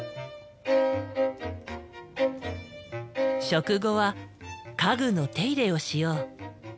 食後は家具の手入れをしよう。